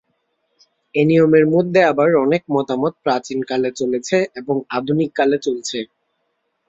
এ নিয়মের মধ্যে আবার অনেক মতামত প্রাচীন কালে চলেছে এবং আধুনিক কালে চলছে।